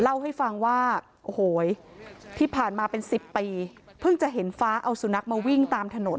เล่าให้ฟังว่าโอ้โหที่ผ่านมาเป็น๑๐ปีเพิ่งจะเห็นฟ้าเอาสุนัขมาวิ่งตามถนน